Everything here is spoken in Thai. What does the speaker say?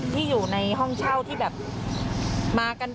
ที่อยู่ในห้องเช่าที่แบบมากัน